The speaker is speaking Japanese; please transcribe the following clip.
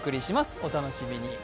お楽しみに。